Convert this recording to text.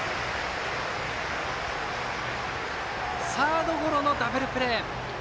サードゴロのダブルプレー。